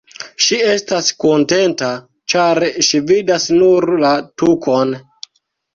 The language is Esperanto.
Ŝi estas kontenta, ĉar ŝi vidas nur la tukon.